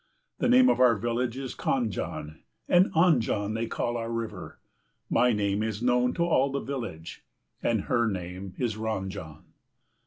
The name of our village is Khanjan, and Anjan they call our river. My name is known to all the village, and her name is Ranjan.